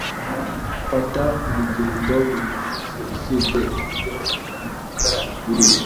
Mfata urugendo buri munsi usibye iyo imvura iguye.